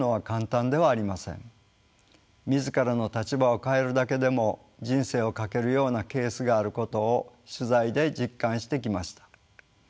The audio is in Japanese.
自らの立場を変えるだけでも人生を賭けるようなケースがあることを取材で実感してきました。